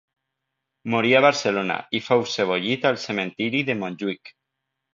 Morí a Barcelona i fou sebollit al Cementiri de Montjuïc.